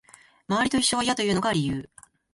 周りと一緒は嫌というのが理由